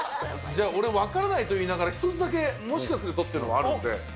じゃあ、俺分からないと言いながら、１つだけ、もしかするとっていうのがあるんで。